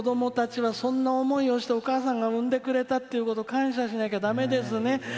子どもたちはそんな思いをしてお母さんが産んでくれたってことを感謝しなきゃいけないですね。